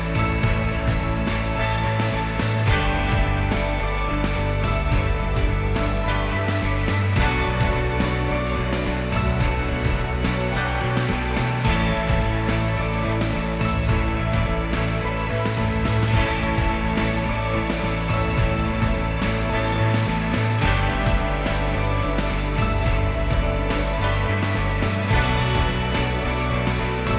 มันก็ไม่มีวันตายหรอกแต่นักภาคก็ไม่มีวันตายหรอกแต่นักภาคก็ไม่รู้